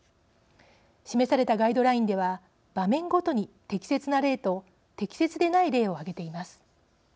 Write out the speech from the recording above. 示されたガイドラインでは場面ごとに適切な例と適切でない例を挙げています。